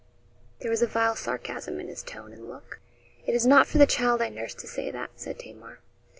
There was a vile sarcasm in his tone and look. 'It is not for the child I nursed to say that,' said Tamar.